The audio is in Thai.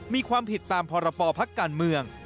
มีความผิดตามพรปภพักการเมือง